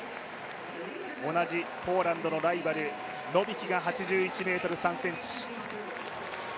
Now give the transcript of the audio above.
同じポーランドのライバルノビキが８１ｍ３ｃｍ。